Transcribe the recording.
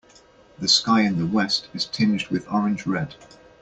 The sky in the west is tinged with orange red.